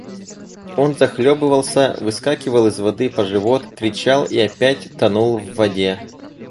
Он захлебывался, выскакивал из воды по живот, кричал и опять тонул в воде.